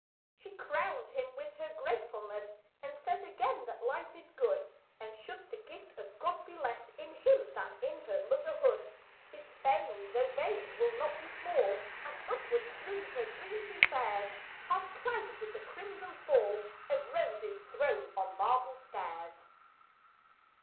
She crowns him with her gratefulness, And says again that life is good; And should the gift of God be less In him than in her motherhood, His fame, though vague, will not be small, As upward through her dream he fares, Half clouded with a crimson fall Of roses thrown on marble stairs.